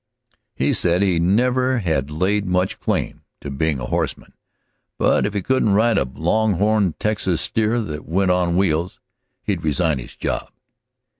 He said he never had laid much claim to being a horseman, but if he couldn't ride a long horned Texas steer that went on wheels he'd resign his job.